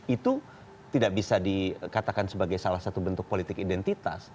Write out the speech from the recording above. itu tidak bisa dikatakan sebagai salah satu bentuk politik identitas